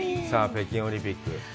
さあ、北京オリンピック。